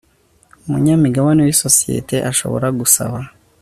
Umunyamigabane w isosiyete ashobora gusaba